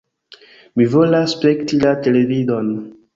"Mi volas spekti la televidon!"